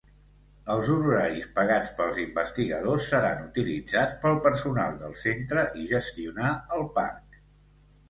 Els honoraris pagats pels investigadors seran utilitzats pel personal del centre i gestionar el parc.